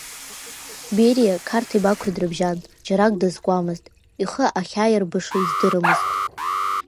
Бериа Қарҭи Бақәеи дрыбжьан, џьарак дазкуамызт, ихы ахьааирбыша издырамызт…